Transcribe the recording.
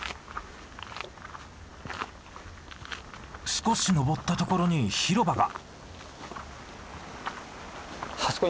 少し登ったところに広場が。